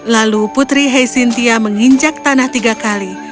lalu putri heisintia menginjak tanah tiga kali